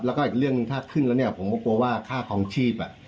แล้วก็อีกเรื่องหนึ่งถ้าขึ้นแล้วเนี่ยผมก็กลัวว่าค่าคลองชีพ